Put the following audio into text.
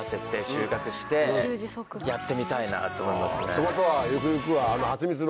ってことはゆくゆくはあの。